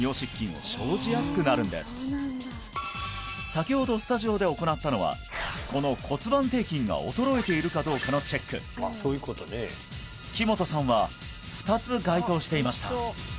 先ほどスタジオで行ったのはこの骨盤底筋が衰えているかどうかのチェック木許さんは２つ該当していました